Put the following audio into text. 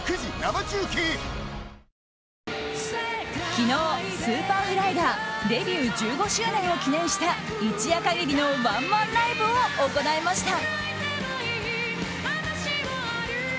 昨日Ｓｕｐｅｒｆｌｙがデビュー１５周年を記念した一夜限りのワンマンライブを行いました。